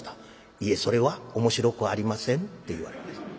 「いえそれは面白くありません」って言われました。